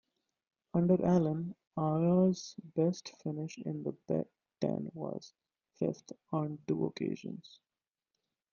Under Allen, Iowa's best finish in the Big Ten was fifth, on two occasions.